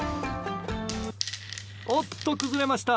おっと、崩れました。